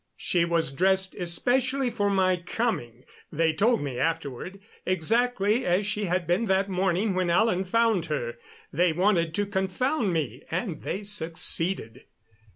She was dressed especially for my coming, they told me afterward, exactly as she had been that morning when Alan found her. They wanted to confound me, and they succeeded.